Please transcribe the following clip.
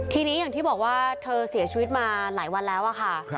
ทีนี้อย่างที่บอกว่าเธอเสียชีวิตมาหลายวันแล้วค่ะ